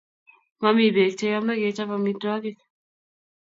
Mami pek che yome kechop amitwogik